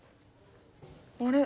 あれ？